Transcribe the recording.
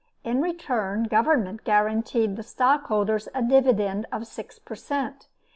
In return, Government guaranteed the stockholders a dividend of six per cent.